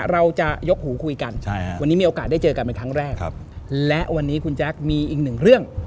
เราจะยกหูคุยกันวันนี้มีโอกาสได้เจอกันเป็นครั้งแรกและวันนี้คุณแจ๊คมีอีกหนึ่งเรื่อง